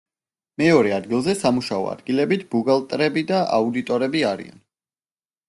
მეორე ადგილზე სამუშაო ადგილებით ბუღალტრები და აუდიტორები არიან.